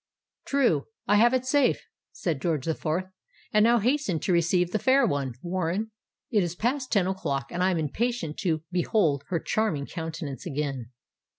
"True! I have it safe," said George the Fourth. "And now hasten to receive the fair one, Warren: it is past ten o'clock, and I am impatient to behold her charming countenance again."